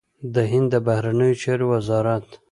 د هند د بهرنيو چارو وزارت